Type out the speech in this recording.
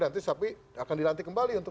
nanti pak jokowi akan dilantik kembali untuk